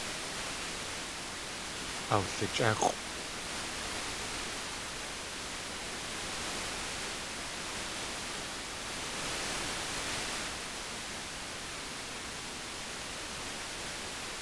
Awlichʼéx̲ʼw.